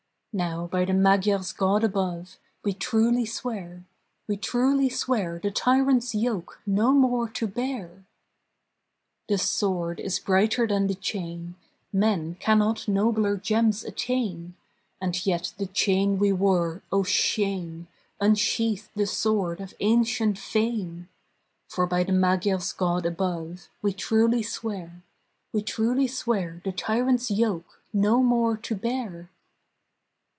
Now by the Magyar's God above We truly swear, We truly swear the tyrant's yoke No more to bear! The sword is brighter than the chain, Men cannot nobler gems attain; And yet the chain we wore, oh, shame! Unsheath the sword of ancient fame! For by the Magyar's God above We truly swear, We truly swear the tyrant's yoke No more to bear!